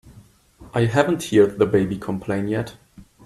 I haven't heard the baby complain yet.